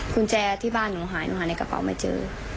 กุญแจที่บ้านหนูหายหนูหาในกระเป๋าไม่เจอ